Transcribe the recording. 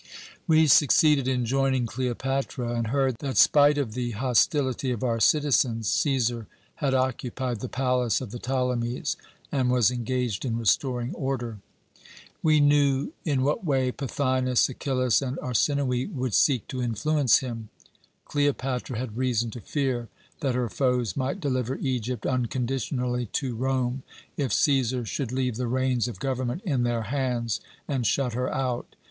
"We succeeded in joining Cleopatra, and heard that, spite of the hostility of our citizens, Cæsar had occupied the palace of the Ptolemies and was engaged in restoring order. "We knew in what way Pothinus, Achillas, and Arsinoë would seek to influence him. Cleopatra had good reason to fear that her foes might deliver Egypt unconditionally to Rome, if Cæsar should leave the reins of government in their hands and shut her out.